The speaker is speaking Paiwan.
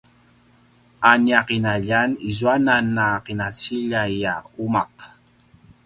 a nia ’inaljan izuanan a ’inaciljay a uma’